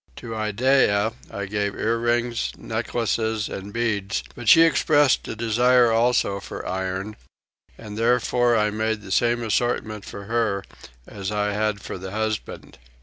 To Iddeah I gave earrings, necklaces, and beads; but she expressed a desire also for iron, and therefore I made the same assortment for her as I had for the husband.